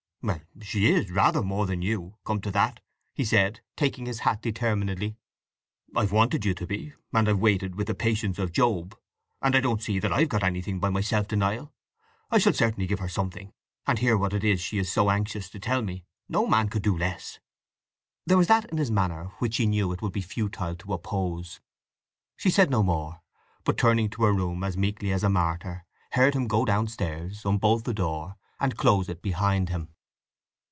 "Well, she is, rather more than you, come to that," he said, taking his hat determinedly. "I've wanted you to be, and I've waited with the patience of Job, and I don't see that I've got anything by my self denial. I shall certainly give her something, and hear what it is she is so anxious to tell me; no man could do less!" There was that in his manner which she knew it would be futile to oppose. She said no more, but, turning to her room as meekly as a martyr, heard him go downstairs, unbolt the door, and close it behind him.